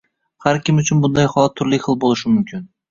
Har kim uchun bunday holat turli hil bo’lishi mumkin